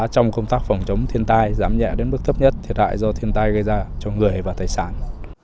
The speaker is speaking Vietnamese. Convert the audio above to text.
trong công tác phòng chống thiên tai giảm nhẹ đến mức thấp nhất thiệt hại do thiên tai gây ra cho người và tài sản